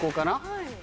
はい。